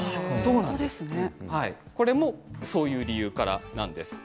これもそういう理由からなんです。